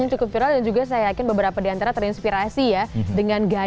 yang cukup viral dan juga saya yakin beberapa di antara terinspirasi ya dengan gaya